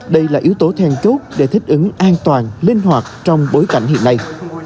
đây là yếu tố thèn chốt để thích ứng an toàn linh hoạt trong bối cảnh hiện nay